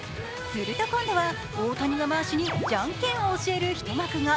すると今度は大谷がマーシュにじゃんけんを教える一幕が。